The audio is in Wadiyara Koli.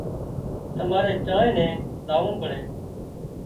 تماري چانئين نين زاوون پڙي